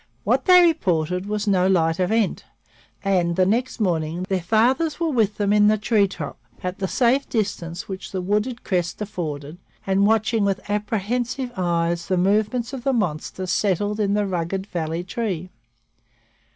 What they reported was no light event and, the next morning, their fathers were with them in the treetop at the safe distance which the wooded crest afforded and watching with apprehensive eyes the movements of the monster settled in the rugged valley tree.